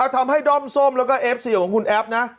ทำให้ด้อมส้มแล้วก็เอฟซีของคุณแอฟนะ